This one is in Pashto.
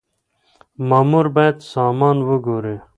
مامور بايد سامان وګوري.